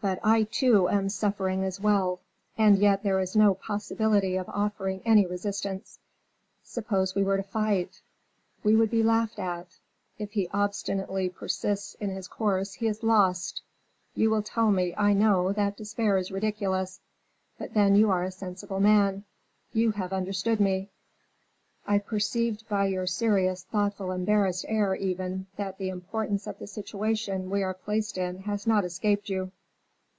But I, too, am suffering as well; and yet there is no possibility of offering any resistance. Suppose we were to fight? we would be laughed at. If he obstinately persist in his course, he is lost. You will tell me, I know, that despair is ridiculous, but then you are a sensible man. You have understood me. I perceived by your serious, thoughtful, embarrassed air, even, that the importance of the situation we are placed in has not escaped you.